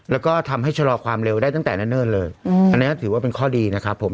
แล้วก็ทำให้ชะลอความเร็วได้ตั้งแต่เนิ่นเลยอันนี้ถือว่าเป็นข้อดีนะครับผม